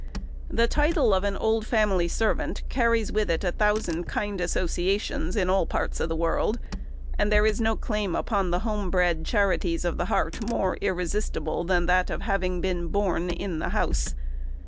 The title of "an old family servant" carries with it a thousand kind associations in all parts of the world; and there is no claim upon the home bred charities of the heart more irresistible than that of having been "born in the house."